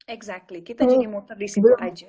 exactly kita jadi muter disitu aja